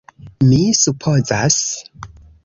Mi supozas?